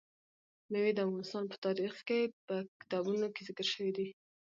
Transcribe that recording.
مېوې د افغان تاریخ په کتابونو کې ذکر شوی دي.